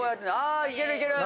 あいけるいける。